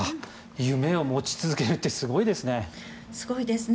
夢を持ち続けるってすごいですね。